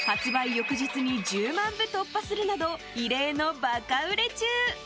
翌日に１０万部突破するなど異例のバカ売れ中。